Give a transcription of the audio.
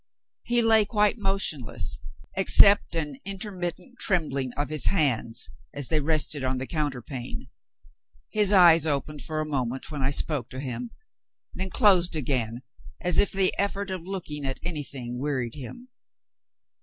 He lay quite motionless, except an intermittent trembling of his hands as they rested on the counterpane. His eyes opened for a moment when I spoke to him then closed again as if the effort of looking at anything wearied him.